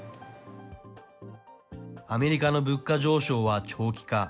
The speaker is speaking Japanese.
アメリカの物価上昇は長期化。